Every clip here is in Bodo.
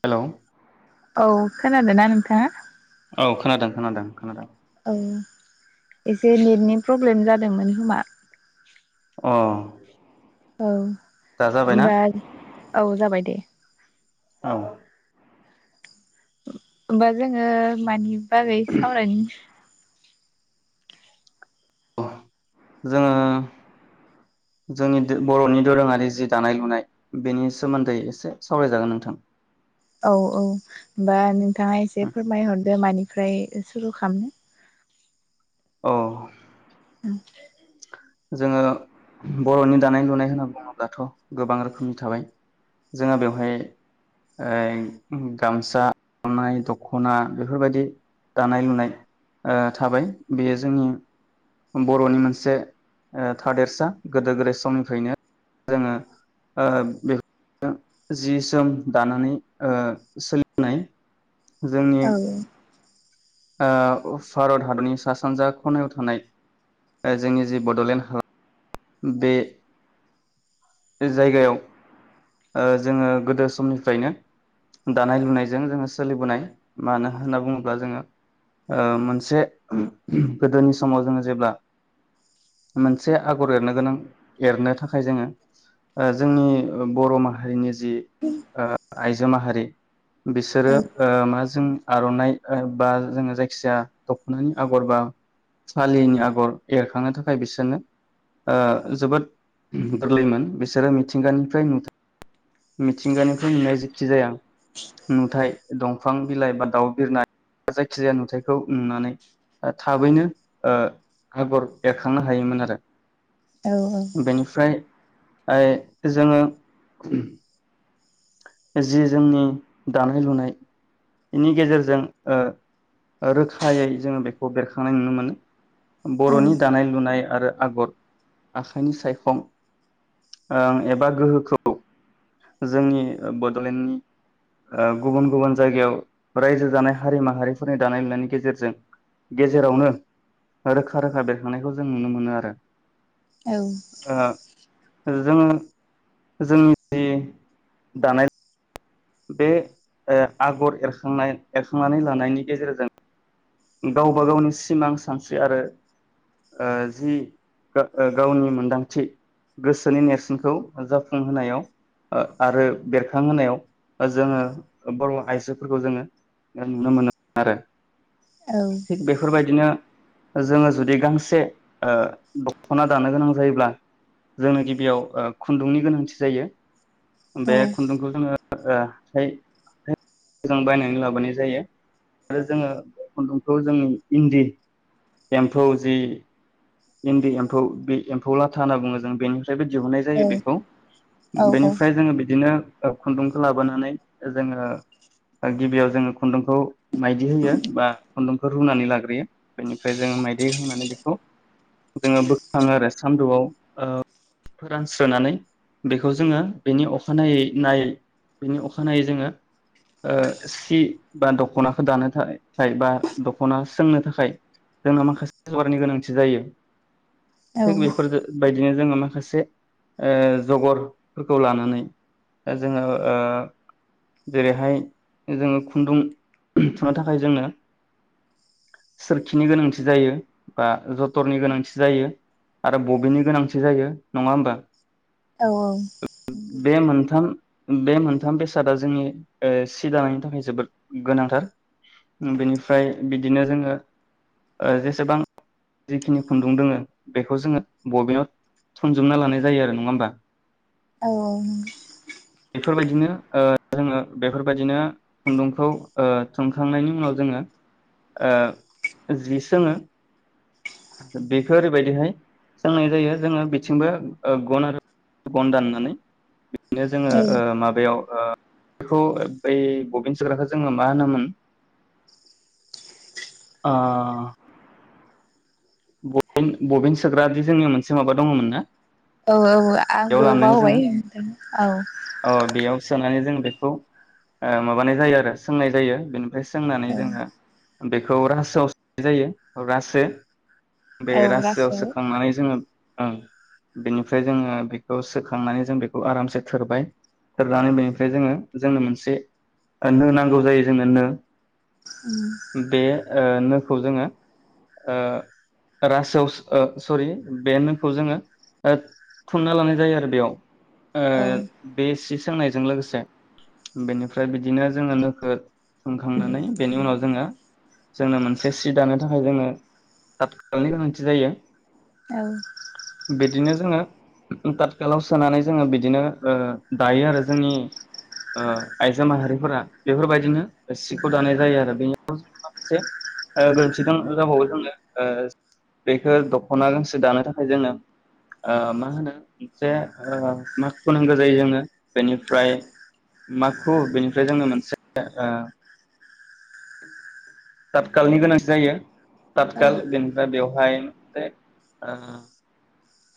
हेलौ औ खोनादोना नोंथाङा औ खोनादों खोनादों खोनादों औ एसे नेटनि प्रब्लेम जादोंमोन खोमा अह औ ओमबा औ जाबाय दे औ होमबा जोंङो मानि बागै सावरायनो जोङो जोंनि बरनि दोरोङारि जि दानाय लुनाय बेनि सोमोन्दै एसे सावरायजागोन नोंथां औ औ‌ बा नों थांङा एसे फोरमायहरदो मानि ओमफ्राय सुरु खालाम औ [inaudible] जोङो बरनि दानाय लुनाय होनना बुङोब्लाथ गोबां रोखोमनि थाबाय जोंहा बेवहाय ओ गामसा गामनाय दखना बेफोरबायदि दानाय लुनाय थाबाय बेयो जोंनि बरनि ओ मोनसे थादेरसा गोदो गोदाय समनिफ्रायनो जोंङो बेखौ जि जोम दानानै ओ सोलिनाय जोंनि औ ओ भारत हादरनि सा सानजा खनायाव थानाय जोंनि जि बडलेण्ड हालाम बे जायगायाव ओ जोंङो गोदो समनिफ्रायनो दानाय लुनायजों जोंङो सोलिबोनाय मानो होनना बुङोब्ला जोंङो मोनसे गोदोनि समाव जोंङो जेब्ला मोनसे आगर एरनो गोनां एरनो थाखाय जोंङो ओ जोंनि बर माहारिनि जि ओ आइजो माहारि बिसोरो औ ओ माजों आरनाइ बा जोंङो जायखिजाया दखनानि आगर बा फालिनि आगर एरखांनो थाखाय बिसोरनो ओ जोबोद गोरलैमोन बिसोरो मिथिंगानिफ्राय नु मिथिंगानिफ्राय नुनाय जायखिजाया नुथाय दंफां बिलाइ बा दाउ बिरना जायखिजाया नुथायाइखौ नुनानै थाबैनो ओ आगर एरखांनो हायोमोन आरो औ बेनिफ्राय ओ जोंङो उम जि जोंनि दानाय लुनाय बेनि गेजेरजों ओ रोखायै जोंङो बेखौ बेरखांनाय नुनो मोनो। औ बरनि दानाय लुनाय आरो आगर आखाइनि सायखं ओ एबा गोहोखौ जोंनि बडलेण्डनि ओ गुबुन गुबुन जायगायाव रायजो जानाय हारि माहारिफोरनि दानाय लुनायनि गेजेरजों गेजेरावनो रोखा रोखा बेरखांनायखौ जों नुनो मोनो आरो। औ जोंङो जोंनि दानाय बे ओ आगर एरखांनाय एरखांनानै लानायनि गेजेरजों गावबा गावनि सिमां सानस्रि आरो जि गावनि मोनदांथि गोसोनि नेरसोनखौ जाफुंहोनायाव आरो बेरखांहोनायाव जोङो बर आइजोफोरखौ जोंङो नुनो मोनो आरो। थिग बेफोरबायदिनो जोंङो जुदि गांसे ओ दखना दानो गोनां जायोब्ला जोंनो गिबियाव खुन्दुंनि गोनांथि जायो। बे खुन्दुंखौ जोंङो ओ बायनानै लाबोनाय जायो आरो जोंङो खुन्दुंखौ जोंनि इन्दि एम्फौ जि इन्दि एम्फौ बे एम्फौ लाथा होनना बुङो जों बेनि बेनिफ्राइ दिहुननाय जायो बेखौ बेनिफ्राय जोङो बिदिनो खुन्दुंखौ लाबोनानै जोङो गिबियाव जोङो खुन्दुंखौ माइदि होयो बा खुन्दुंखौ रुनानै लाग्रोयो बेनिफ्राय जोङो माइदि होनानै बेखौ जोङो बोखाङो आरो सानदुआव ओ फोरानस्रोनानै बेखौ जोङो बेनि अखानायै नायै बेनि अखानायनायै जोङो सि बा दख'नाखौ दानो थाखाय बा दख'ना सोंनो थाखाय जोंना माखासे जगारनि गोनांथि जायो। थिग बेफोर बायदि बिदिनो जोङो माखासे ओ जगरफोरखौ लानानै जोङो जेरैहाय जोङो खुन्दुं थुनो थाखाय जोंनो सोरखिनि गोनांथि जायो बा जथर नि गोनांथि जायो आरो बबिननि गोनांथि जायो नङा होमबा? औ औ बे मोनथाम बे मोनथाम बेसादा जोंनि ओ सि दानायनि थाखाय जोबोद गोनांथार उम बेनिफ्राय बिदिनो जोङो ओ जेसेबां जिखिनि खुन्दुं दोङो बेखौ जोङो बबेनाव थनजोबना लानाय जायो आरो नङा होमबा औ औ बेफोरबायदिनो ओ जोङो बेफोरबायदिनो खुन्दुंखौ ओ थुंखांनायनि उनाव जोङो ओ जि सोङो। बेखौ ओरैबायदिहाय सोंनाय जायो जोङो बिथिंबो गन आरो गन दाननानै बिनो जोङो ओ औ माबायाव ओ बेखौ बबिनसोग्राखौ जोङो मा होनोमोन ओ बबिन बबिन सोग्रादि जोंङो मोनसे माबा दङमोन ना। औ औ बेयाव आंबो लानानै जोङो बावबाय नोंथां औ अ बेयाव सोनानै जों बेखौ ओ माबानाय जायो आरो सोंनाय जायो बे फ्राय सोंनानै औ जोङो बेखौ रासोआव स नाय जायो रासो। बे रासोआव सोखांनानै जोङो। ओं बेनिफ्राय जोङो बेखौ सोखांनानै जों बेखौ आरामसे थोरबाय थोरनानै बेनिफ्राय जोङो जोंनो मोनसे नो नांगौ जायो। जोंनो नो उम ए नोखौ जोङो ओ रासोआव स सरि बे नोखौ जोङो थुन नो लानाय जायो। आरो बेयाव औ ए बे सिस सोंनायजों लोगोसे बेनिफ्राय बिदिनो जोङो नोखौ सुंखांनानै बेनि उनाव जोङो जोंनो मोनसे सि दानो थाखाय जोङो फ नि गोनांथि जायो। औ बिदिनो जोङो [unintelligible] सोनानै जोङो बिदिनो ओ दायो आरो जोंनि ओ आइजो माहारिफोरा बेफोरबायदिनो सिखौ दानाय जायो आरो बे से ओ गोरोन्थि द जाबावो जोंङो। बेखौ दख'ना गांसे दानो थाखाय जोङो ओ मा होनो मोनसे ओ माखु नांगौ जायो जोङो बेनिफ्राय माखु बेनिफ्राय जोनो मोनसे ओ तातखालनि गोनांथि जायो औ ततखाल बेन बेवहाय से ओ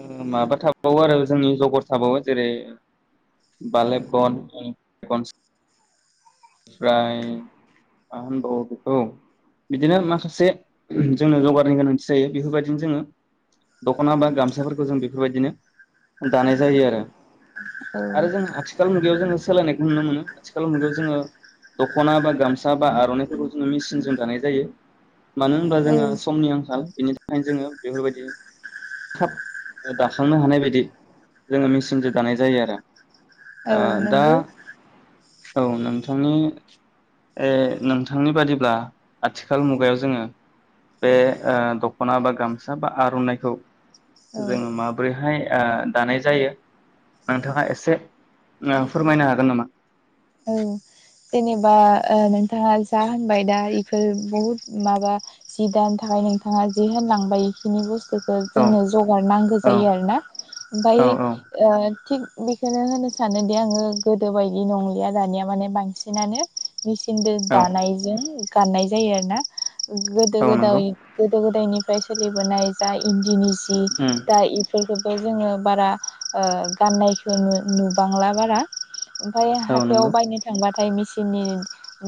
ओ माबा थाबावो आरो जोंनि [unintelligible] थाबावो जेरै बालेब गन ओमफ्राय मा होनबावो बेखौ बिदिनो माखासे जोंनो जगारनि गोनांथि जायो बेफोरबायदिनो जोङो दख'ना बा गामसा। साफोरखौ जों बेफोरबायदिनो दानाय जायो आरो। औ आरो जों आथि खाल मुगायाव जोङो सोलायनायखौ नुनो मोनो आथिखाल मुगायाव जोङो दख'ना बा गामसा बा आर'नाइफोरखौ जोङो मेसिनजों दानाय जायो। मानो होनबा औ जोनो समनि आंखाल बिनि थाखायनो जोङो बेफोरबायदि थाब दाखांनो हानाय बायदि जोङो मेचिनजों दानाय जायो आरो। ओ औ दा नोंगौ। औ नोंथांनि ए नोंथांनि बादिब्ला आथिखाल मुगायाव जोङो बे ओ दख'ना बा गामसा बा आर'नाइखौ। औ जों माब्रैहाय? ओ दानाय जायो नोंथाङा एसे [unintelligible] फोरमायनो हागोन नामा? औ जेनेबा नोंथाङा जा होनबाय दा बेफोर बहुद माबा जि दानि थाखाय नोंथाङा जि होनलांबाय बेखिनि बुस खौ औ जोंनो जगार नांगौ औ जायो आरोना। ओमफाय औ औ ओ थिग बेखोनो होनो सानोदि आङो गोदो बायदि नंलिया दानिया माने बां सिनानो। मेचिनजों औ दानायजों। गाननाय जायो आरो ना। गोदो औ नंगौ गोदाय गोदो गोद दायनिफ्राय सोलिबोनाय जा इन्दिनि ज जि उम दा इ बेफोरखो जोङो बारा ओ गाननायखो नो नुबांला बारा। ओमफाय औ हाथायाव नंगौ बायनो थांबाथ थाय मिचिननि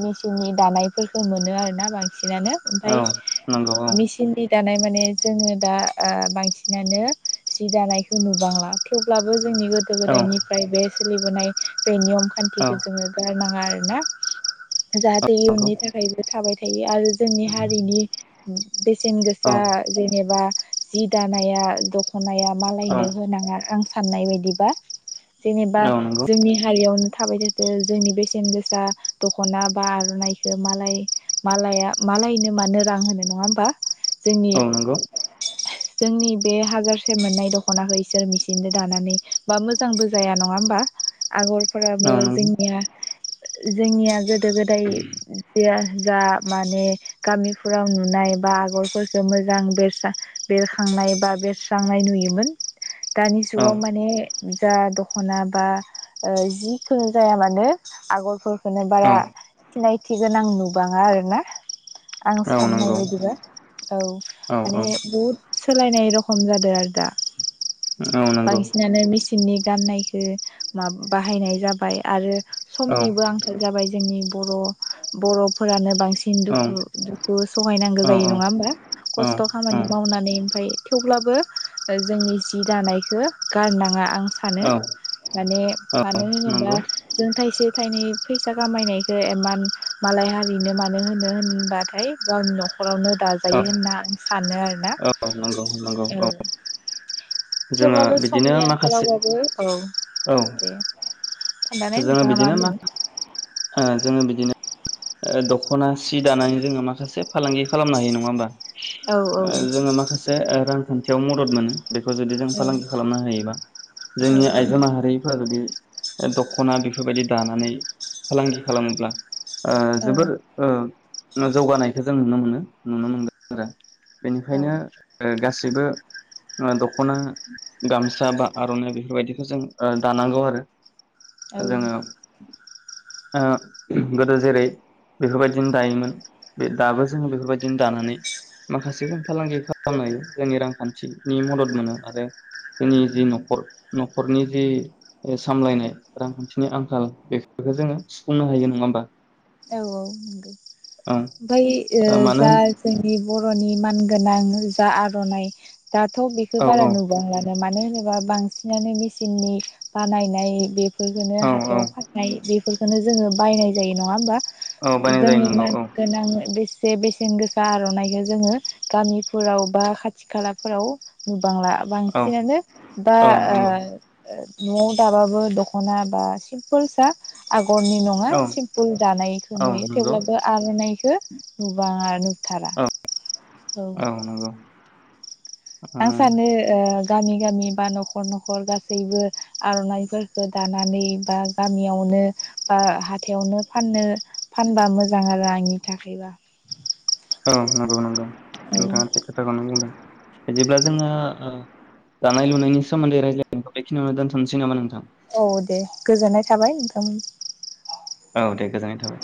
मिचिननि दानायफोरखो मोनो आरोना बां सिनानो औ ओमफाय नंगौ औ मिचिननि। दानाय माने जोंङो दा ओ बांसिनानो जि दानायखौ नुबांला थेवब्लाबो। जोंनि गोदो औ गोदायनिफ्राय बे। सोलिबोनाय। बे नियम औ खान्थिखोजोङो दा नांङा आरो‌ ना। जाहाथे नंगौ इयुननि थाखायबो थाबाय थ [unintelligible] आरो जोंनि हारिनि‌। बेसेन औ गोसा जेनेबा। जि दानाया दख खनाया औ मालायनो होनाङा आं साननाय बायदिबा‌। जेनेबा औ नंगौ जोंनि हारियावन थाबाय थों। जोनि बेसेन गोसा दख'ना बा आर'नाइखो मालाय मालया मालायनो मानो रां होनो नङा होमबा। जोंनि औ नोंगौ। जोंनि बे हाजारसे मोननाय दख'नाखो इसोर मिसिनदो दानानै बा मोजांबो जाया नङा होमबा। औ आगरफोराबो नंगौ जोंनि जोंनिया जोद गोदो गोदाय जेया। जा माने गामिफोराव नुनाय बा आगरफोरफोरखो मोजां बेरस्रा बेरखांनाय बा बेरस्रांनाय नुयोमोन। दानि औ जुगाव माने। जा दखना बा ओ जिखो जाया मानो आगरफोर खोनो औ बारा सिनाय थि गोनां नुबाङा आरोना। आं औ साननाय नंगौ बायदिब्ला औ औ माने औ बुहुद सोलायनाय रखम जादों आरो दा। औ नंगौ बांसिनानो मिसिन‌ सिननि गाननायखौ मा बाहायनाय जाबाय।। आरो औ समनिबो आंखाल जाबाय जोंनि बर बर'फोरानो बांसिन सिन औ दुखु दुखु सहायनांगौ जायो औ नङा होमबा औ खस्थ' खामानि मावनानै ओमफाय थेवब्लाबो जोंनि जि दानायखौ गारनाङा आं सानो औ माने औ मानो होनोबा नंगौ थाइसे थाइनै फैसा खामायनायखौ इमान मालाय हारिनो मानो होनो होनबाथाय गावनिल' न'खरावनो औ दाजायो होनना आं सानो आरोना औ नंगौ नंगौ औ औ जोङो थेवब्लाबो बिदिनो समनि माखासे आंखालावबाबो औ औ दे खोन्थानाय जोङो नोंथाङा मा बिदिनो होन्दोनमोन ओ जोङो बिदिनो दख'ना सि दानानै जोङो माखासे फालांगि खालामनो हायो नङा होमबा? औ औ जोङो माखासे रां खान्थियाव मदद मोनो बेखौ जुदि जों फालांगि खालामनो हायोबा जोंनि आइजो माहारिफ्रा जुदि दख'ना बेफोरबायदि दानानै फालांगि खालामोब्ला ओ जोबोर ओ जौगानाय [inaudible] जों नुनो मोनो नुनो मोनगोन आरो बेनिखायनो औ ओ गासैबो ओ दख'ना गामसा बा आर'नाइ बेफोरबायदिखौ जों ओ दानांगौ आरो जोङो औ ओ गोदो जेरै बेफोरबायदिनो दायोमोन बे दाबो जोङो बेफोरबायदिनो दानानै माखासे जों फालांगि खालामनाय जोंनि रांखान्थिनि मदद मोनो आरो जोंनि जि न'खर न'खरनि जि सामलायनाय रांखान्थिनि आंखाल बे बेखौ जोङो सुफुंनो हायो नङा होमबा? औ औ नोंगौ ओं ओमफाय ओ मानो जा होन जोंनि बर'नि मानगोनां जा आर'नाइ दाथ' बेखौ औ बारा औ नुबांला मानो होनोबा बांसिनानो मेसिननि बानायनाय बे फोरखोनो औ औ हाथायाव फाननाय जायो बेखोननो जोङो बायनाय जायो नङा होमबा औ बायनाय जायो जोंनि नंगौ मान औ गोनां बेस से बेसेन गोसा आर'नाइखौ जोङो गामिफोराव बा खाथि खालाफोराव नु बांला औ बांसिनानो दा औ नंगौ ओ ओ न'आव दाबाबो दख'ना बा सिमपोलसा आग गरनि नङा औ सिमपोल नायखो औ नुयो नंगौ थेवब्लाबो आर'नायखो नुबा बाङा नुथारा औ औ नंगौ ओ आं सानो ओ गामि गामि बा न'खर न'खर गासैबो आर'नाइफोरफोरखो दानानै बा गामियावनो बा हाथायावनो फाननो फानबा मोजां आरो आंनि थाखायबा औ नंगौ नंगौ औ नोंथाङा थिग खोथाखौनो बुंदों बिदिब्ला जोङो ओ दानाय लुनायनि सोमोन्दै रायज्लायनायखौ बेखिनियावनो दोनथ'नोसै नामा नोंथां औ दे गोजोननाय थाबाय नोंथांमोन औ दे गोजोननाय थाबाय